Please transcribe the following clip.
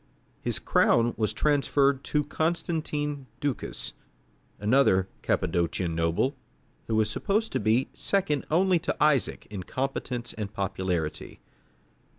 His crown was transferred to Constantine Ducas, another Cappadocian noble, who was supposed to be second only to Isaac in competence and popularity.